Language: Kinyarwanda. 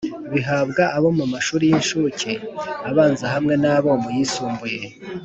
Bihabwa abo mu mashuri y’incuke abanza hamwe n’abo mu yisumbuye